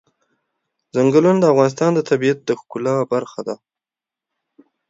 چنګلونه د افغانستان د طبیعت د ښکلا برخه ده.